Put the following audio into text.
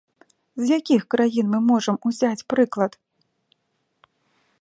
З якіх краін мы можам узяць прыклад?